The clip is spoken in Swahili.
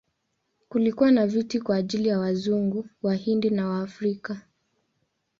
Kulikuwa na viti kwa ajili ya Wazungu, Wahindi na Waafrika.